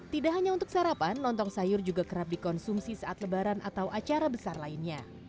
tidak hanya untuk sarapan lontong sayur juga kerap dikonsumsi saat lebaran atau acara besar lainnya